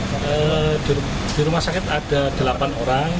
dan di rumah sakit ada delapan orang